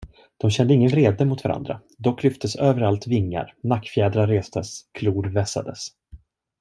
De kände ingen vrede mot varandra, dock lyftes överallt vingar, nackfjädrar restes, klor vässades.